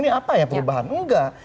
ini apa ya perubahan enggak